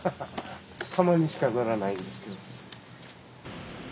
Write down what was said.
たまにしか乗らないんですけど。